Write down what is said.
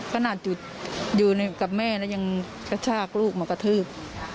ขนาดอยู่กับแม่แล้วยังกระชากลูกมากระทืบ